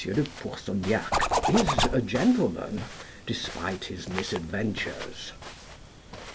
de Pourceaugnac is a gentleman, despite his misadventures.